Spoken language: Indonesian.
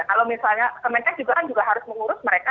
kalau misalnya kementerian kesehatan juga kan harus mengurus mereka